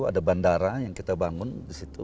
ada bandara yang kita bangun di situ